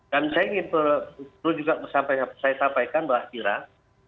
dan saya ingin perlu juga saya sampaikan pak syirah